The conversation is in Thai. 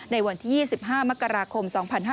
ในวันที่๒๕มกราคม๒๕๕๙